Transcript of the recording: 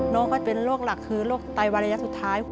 น้องเขาเป็นโรคหลักคือโรคไตวรยะสุดท้าย